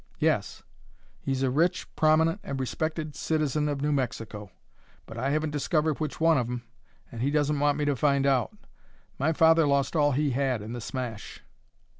"Yes; he's a rich, prominent, and respected citizen of New Mexico. But I haven't discovered which one of 'em, and he doesn't want me to find out. My father lost all he had in the smash."